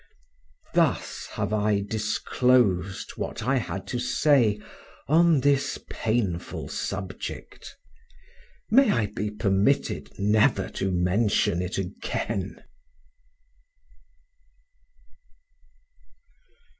Thus have I disclosed what I had to say on this painful subject; may I be permitted never to mention it again.